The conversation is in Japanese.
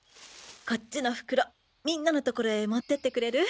こっちの袋みんなの所へ持ってってくれる？